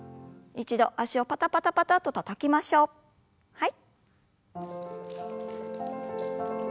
はい。